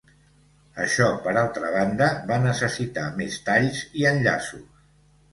Això, per altra banda, va necessitar més talls i enllaços.